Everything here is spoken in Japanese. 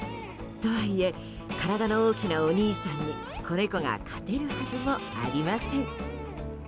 とはいえ、体の大きなお兄さんに子猫が勝てるはずもありません。